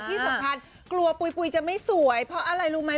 ที่สำคัญกลัวปุ๋ยจะไม่สวยเพราะอะไรรู้ไหม